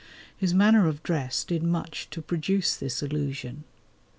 His manner of dress did much to produce this illusion.